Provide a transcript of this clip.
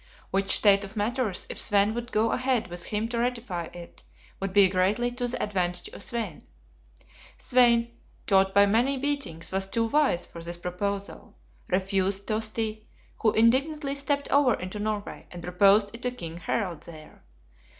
Which state of matters, if Svein would go ahead with him to rectify it, would be greatly to the advantage of Svein. Svein, taught by many beatings, was too wise for this proposal; refused Tosti, who indignantly stepped over into Norway, and proposed it to King Harald there.